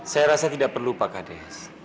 saya rasa tidak perlu pak kades